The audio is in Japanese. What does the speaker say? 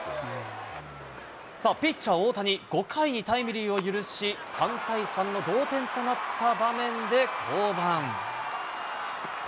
ピッチャー・大谷、５回にタイムリーを許し、３対３の同点となった場面で降板。